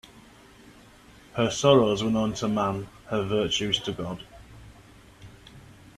Her sorrows were known to man; her virtues to God.